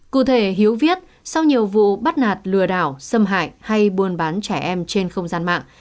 cụ thể hiếu viết sau nhiều vụ bắt nạt lừa đảo xâm hại hay buôn bán trẻ em trên không gian mạng